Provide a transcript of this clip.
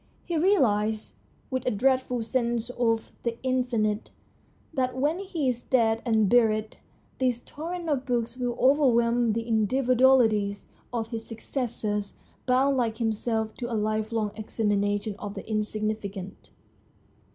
He realises, with a dreadful sense of the in finite, that when he is dead and buried this torrent of books will overwhelm the individu alities of his successors, bound like himself to a lifelong examination of the insignificant.